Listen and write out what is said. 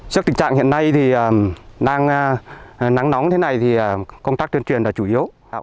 trước tình trạng hiện nay thì đang nắng nóng thế này thì công tác tuyên truyền là chủ yếu